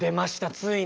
ついに。